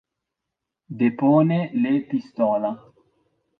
Depone le pistola.